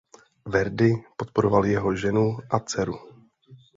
Verdi podporoval jeho ženu a dceru.